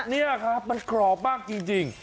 นี่ครับมันกรอบมากจริง